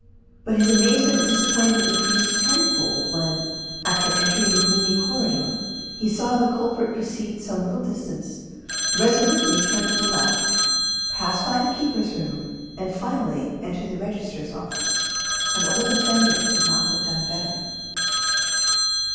But his amazement and disappointment increased tenfold when, after entering the gloomy corridor, he saw the culprit proceed some little distance, resolutely turn to the left, pass by the keeper's room, and finally enter the registrar's office. An old offender could not have done better.